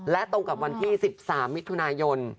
และตรงกับวันที่๑๓มิถุนายน